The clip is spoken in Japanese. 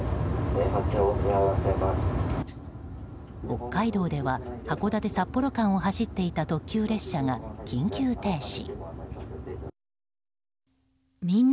北海道では函館札幌間を走っていた特急列車が緊急停止。